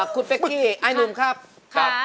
คุณเฟคกี้อายนุมครับครับ